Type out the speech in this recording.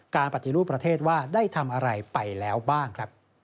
ปฏิรูปประเทศว่าได้ทำอะไรไปแล้วบ้างครับ